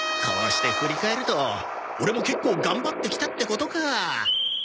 こうして振り返るとオレも結構頑張ってきたってことか。